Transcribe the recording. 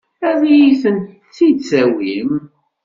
Ad iyi-tent-id-tawim?